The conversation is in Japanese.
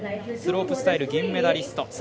スロープスタイル銀メダリスト。